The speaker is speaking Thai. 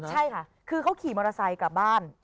ใช่ค่ะคือเขาขี่มอเตอร์ไซค์กลับบ้าน